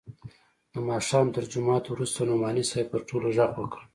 د ماښام تر جماعت وروسته نعماني صاحب پر ټولو ږغ وکړ.